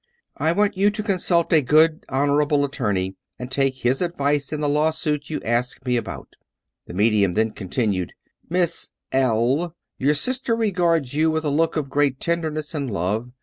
I want you to consult a good honorable attorney, and take his advice in the lawsuit you ask me about/" The me dium then continued, " Miss L , your sister regards you with a look of great tenderness and love.